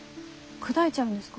砕いちゃうんですか？